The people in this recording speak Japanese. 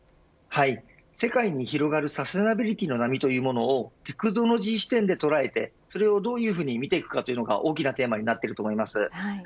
世界に広がるサステナビリティの波というものをテクノロジー視点で捉えてそれをどういうふうに見ていくのかというのが大きなテーマになっていると思います。